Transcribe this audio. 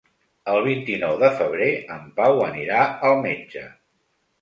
El vint-i-nou de febrer en Pau anirà al metge.